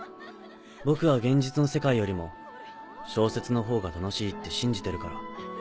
僕は現実の世界よりも小説のほうが楽しいって信じてるから。